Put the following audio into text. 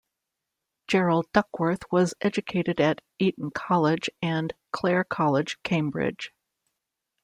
Gerald Duckworth was educated at Eton College and Clare College, Cambridge.